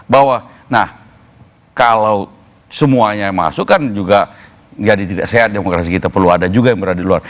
bahwa nah kalau semuanya masuk kan juga jadi tidak sehat demokrasi kita perlu ada juga yang berada di luar